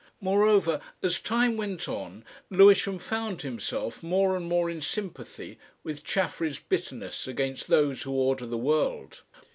Moreover, as time went on Lewisham found himself more and more in sympathy with Chaffery's bitterness against those who order the world.